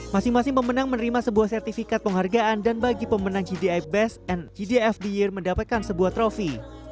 masing masing pemenang menerima sebuah sertifikat penghargaan dan bagi pemenang gdi best dan gdf di year mendapatkan sebuah trofi